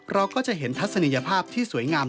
เราก็จะเห็นทัศนียภาพที่สวยงาม